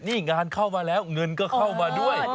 นี่งานเข้ามาแล้วเงินก็เข้ามาด้วย